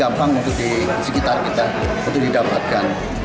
gampang untuk di sekitar kita untuk didapatkan